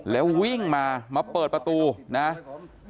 แล้ววิ่งมามาเปิดประตูนะครับ